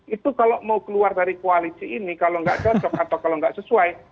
itu kalau mau keluar dari koalisi ini kalau nggak cocok atau kalau nggak sesuai